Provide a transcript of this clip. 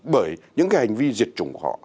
bởi những cái hành vi diệt chủng họ